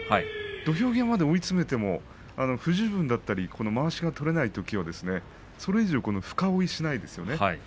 土俵際まで追い詰めても不十分だったりまわしが取れないとそれ以上深追いしませんね。